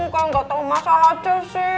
kau gak tau masalahnya sih